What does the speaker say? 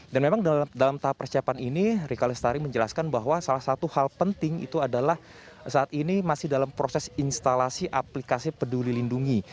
dan memang dalam tahap persiapan ini rika lestari menjelaskan bahwa salah satu hal penting itu adalah saat ini masih dalam proses instalasi aplikasi peduli lindungi